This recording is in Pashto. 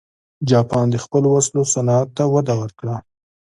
جاپان د خپلو وسلو صنعت ته وده ورکړه.